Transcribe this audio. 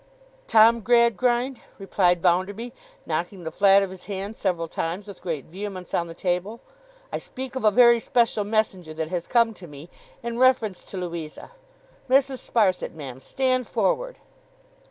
'Tom Gradgrind,' replied Bounderby, knocking the flat of his hand several times with great vehemence on the table, 'I speak of a very special messenger that has come to me, in reference to Louisa. Mrs. Sparsit, ma'am, stand forward!